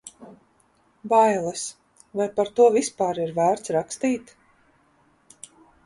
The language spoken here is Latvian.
Bailes – vai par to vispār ir vērts rakstīt?